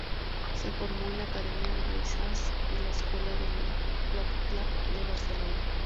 Se formó en la Academia Baixas y la Escuela de la Llotja de Barcelona.